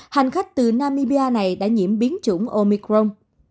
hành khách từ namibia này đã nhiễm biến chủng omicron